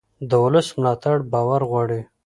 د ولس ملاتړ باور غواړي